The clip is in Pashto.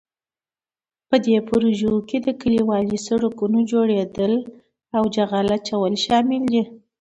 په دې پروژو کې د کلیوالي سړکونو جوړول او جغل اچول شامل دي.